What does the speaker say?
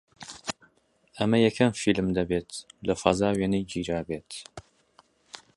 ئەمە یەکەم فیلم دەبێت لە فەزا وێنەی گیرابێت